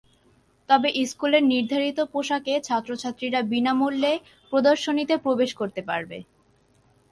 তবে স্কুলের নির্ধারিত পোশাকে ছাত্রছাত্রীরা বিনা মূল্যে প্রদর্শনীতে প্রবেশ করতে পারবে।